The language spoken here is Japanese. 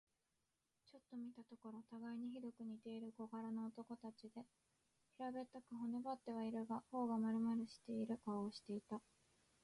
ちょっと見たところ、たがいにひどく似ている小柄な男たちで、平べったく、骨ばってはいるが、頬がまるまるしている顔をしていた。